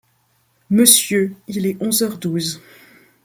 Monsieur, il est onze heures douze.